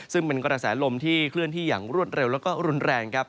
ซึ่งเป็นกระแสลมที่เคลื่อนที่อย่างรวดเร็วแล้วก็รุนแรงครับ